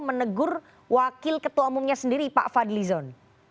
menegur wakil ketua umumnya sendiri pak fadlizon